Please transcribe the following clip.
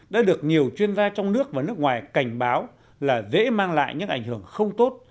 đã được nhiều chuyên gia trong nước và nước ngoài cảnh báo là dễ mang lại những ảnh hưởng không tốt